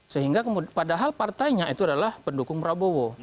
sehingga padahal partainya itu adalah pendukung prabowo